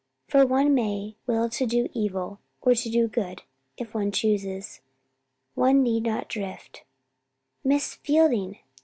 For one may will to do evil, or to do good, if one chooses. One need not drift. "Miss Fielding!